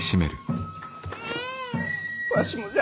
わしもじゃ！